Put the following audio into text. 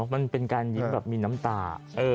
มันเป็นการยิ้มแบบมีน้ำตา